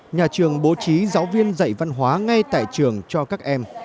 nhà trường bố trí giáo viên dạy văn hóa ngay tại trường cho các em